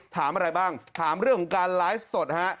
ถามอะไรบ้างถามเรื่องของการไลฟ์สดฮะ